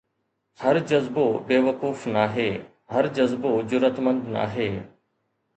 هر جذبو بيوقوف ناهي، هر جذبو جرئتمند ناهي